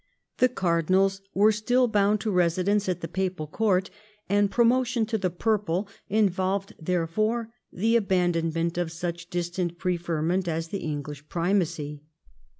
The cardinals were still bound to resi dence at the papal court, and promotion to the purple involved therefore the abandonment of such distant preferment as the English primacy.